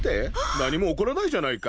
何も起こらないじゃないか。